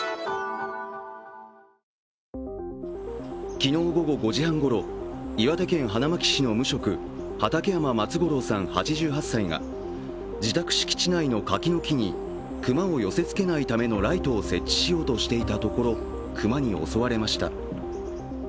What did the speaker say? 昨日午後５時半ごろ岩手県花巻市の畠山松五郎さん８８歳が自宅敷地内の柿の木に熊を寄せつけないためのライトを設置していたところ、熊に襲われました。